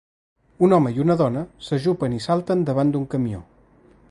Un home i una dona s'ajupen i salten davant d'un camió.